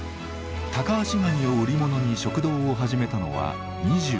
タカアシガニを売り物に食堂を始めたのは２７歳。